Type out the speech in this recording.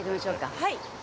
はい。